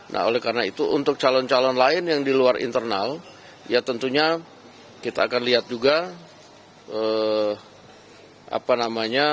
nah oleh karena itu untuk calon calon lain yang di luar internal ya tentunya kita akan lihat juga apa namanya